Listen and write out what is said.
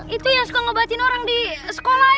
itu yang suka ngobatin orang di sekolah